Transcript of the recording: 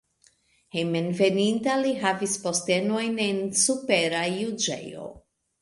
Hejmenveninta li havis postenojn en supera juĝejo.